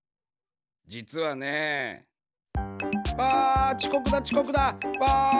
じつはね。わちこくだちこくだ！わ！